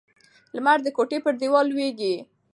لمر د کوټې پر دیوال لوېږي.